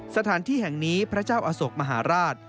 สถานที่แห่งนี้พระเจ้าอโศกมหาราช